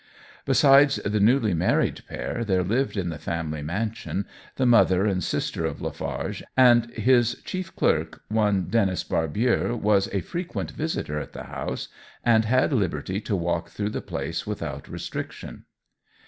Besides the newly married pair, there lived in the family mansion the mother and sister of Lafarge, and his chief clerk, one Denis Barbier, was a frequent visitor at the house, and had liberty to walk through the place without restriction.